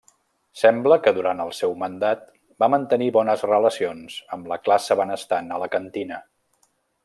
Sembla que durant el seu mandat va mantenir bones relacions amb la classe benestant alacantina.